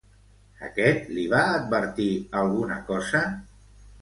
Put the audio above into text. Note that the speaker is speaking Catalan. Aquest li va advertir alguna cosa?